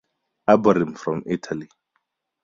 Aborym from Italy.